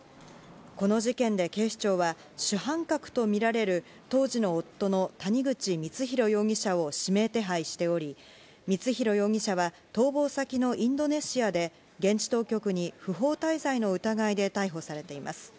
この事件で警視庁は、主犯格と見られる当時の夫の谷口光弘容疑者を指名手配しており、光弘容疑者は逃亡先のインドネシアで、現地当局に不法滞在の疑いで逮捕されています。